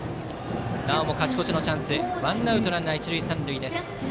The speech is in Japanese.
なおも勝ち越しのチャンスでワンアウトランナー、一塁三塁。